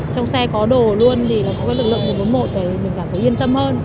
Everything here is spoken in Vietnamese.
trong xe có đồ luôn thì có lực lượng một trăm bốn mươi một mình cảm thấy yên tâm hơn